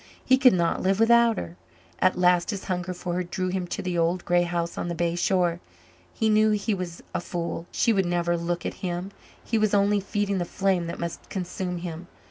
He could not live without her. At last his hunger for her drew him to the old grey house on the bay shore. He knew he was a fool she would never look at him; he was only feeding the flame that must consume him.